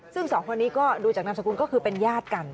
ซึ่งสองคนนี้ก็ดูจากนามสกุลก็คือเป็นญาติกัน